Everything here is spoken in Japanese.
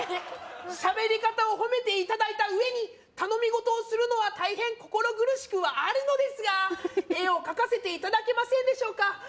喋り方を褒めていただいた上に頼みごとをするのは大変心苦しくはあるのですが絵を描かせていただけませんでしょうか？